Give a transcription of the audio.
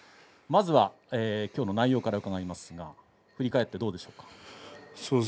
まずはきょうの内容から伺いますが振り返ってどうでしょう？